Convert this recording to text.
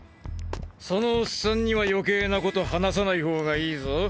そのオッサンには余計なこと話さない方がいいぞ。